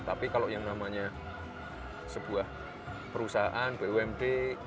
tapi kalau yang namanya sebuah perusahaan bumd